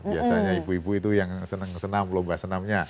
biasanya ibu ibu itu yang senang senam lomba senamnya